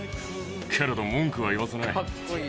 けれど、文句は言わせない。